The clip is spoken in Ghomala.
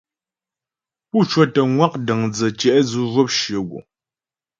Pú cwətə ŋwa' dəndzə̀ tyɛ̌'dzʉ zhwɔp shyə guŋ.